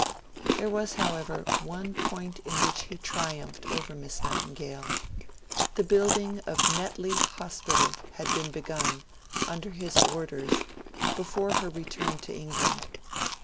There was, however, one point in which he triumphed over Miss Nightingale: the building of Netley Hospital had been begun under his orders, before her return to England.